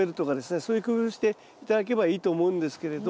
そういう工夫して頂けばいいと思うんですけれど。